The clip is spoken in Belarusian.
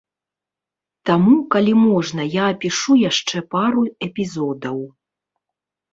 Таму, калі можна я апішу яшчэ пару эпізодаў.